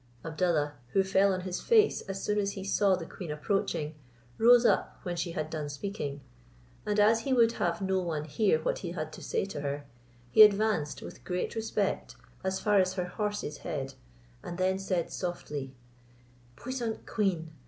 Abdallah, who fell on his face as soon as he saw the queen approaching, rose up when she had done speaking; and as he would have no one hear what he had to say to her, he advanced with great respect as far as her horse's head, and then said softly, "Puissant queen!